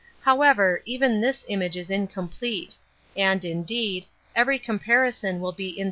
^ However, even this image is incomplete, and, indeed, every comparison will be in